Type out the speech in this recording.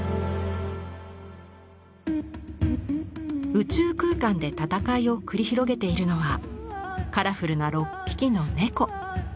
宇宙空間で戦いを繰り広げているのはカラフルな６匹の猫。